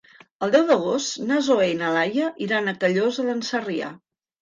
El deu d'agost na Zoè i na Laia iran a Callosa d'en Sarrià.